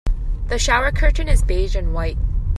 The shower curtain is beige and white.